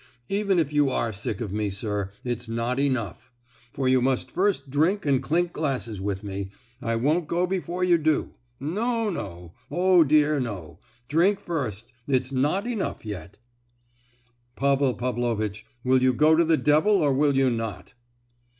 "Even if you are sick of me, sir, it's not enough; for you must first drink and clink glasses with me. I won't go before you do! No, no; oh dear no! drink first; it's not enough yet." "Pavel Pavlovitch, will you go to the devil or will you not?"